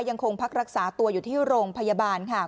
ยังคงพักรักษาตัวอยู่ที่โรงพยาบาล